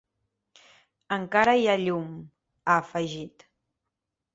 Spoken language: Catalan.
Encara hi ha llum…, ha afegit.